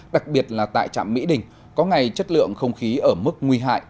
đặc biệt là tại trạm mỹ đình có ngày chất lượng không khí ở mức nguy hại